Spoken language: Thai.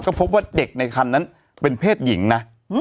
ก็พบว่าเด็กในคันนั้นเป็นเพศหญิงนะ